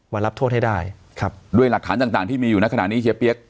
รับโทษให้ได้ครับด้วยหลักฐานต่างต่างที่มีอยู่ในขณะนี้เฮียเปี๊ยก